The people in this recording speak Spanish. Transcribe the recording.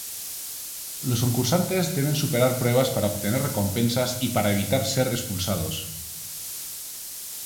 Los concursantes deben superar pruebas para obtener recompensas y para evitar ser expulsados.